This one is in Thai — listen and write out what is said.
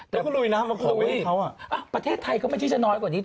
แต่ก็ลุยน้ำมาคุยประเทศไทยก็ไม่ใช่จะน้อยกว่านี้